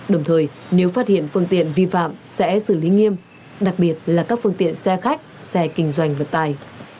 đồng thời nếu phát hiện phương tiện vi phạm sẽ xử lý nghiêm đặc biệt là các phương tiện xe khách xe kinh doanh vật tài